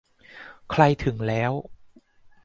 ใครถึงแล้ว